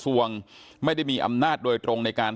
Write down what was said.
สวัสดีคุณผู้ชมครับสวัสดีคุณผู้ชมครับ